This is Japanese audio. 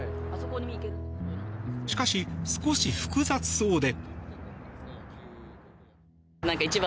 しかし、少し複雑そうで。